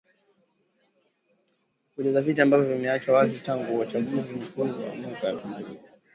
kujaza viti ambavyo vimeachwa wazi tangu uachaguzi mkuu wa mwaka elfu mbili kumi na nane